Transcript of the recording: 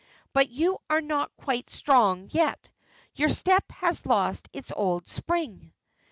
"But you are not quite strong yet; your step has lost its old spring."